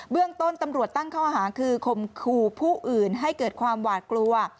เรื่องต้นตำรวจตั้งข้อหาคือคมขู่ผู้อื่นให้เกิดความหวาดกลัว